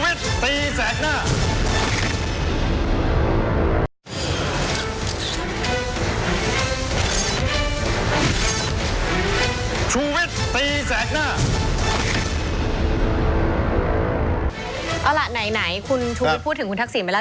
เอาล่ะไหนคุณชูวิทย์พูดถึงคุณทักษิณไปแล้ว